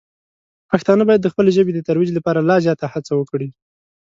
پښتانه باید د خپلې ژبې د ترویج لپاره لا زیاته هڅه وکړي.